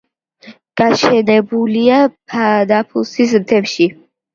გაშენებულია ნაფუსის მთებში.